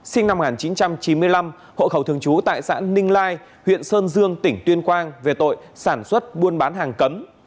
sinh năm một nghìn chín trăm chín mươi năm hộ khẩu thường trú tại xã ninh lai huyện sơn dương tỉnh tuyên quang về tội sản xuất buôn bán hàng cấm